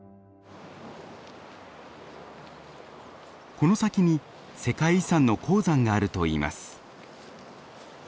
この先に世界遺産の鉱山があるといいます。